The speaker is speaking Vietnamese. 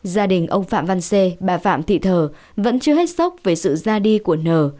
gia đình ông phạm văn xê bà phạm thị thờ vẫn chưa hết sốc về sự ra đi của nờ